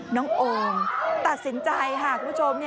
น้องโอมตัดสินใจค่ะคุณผู้ชม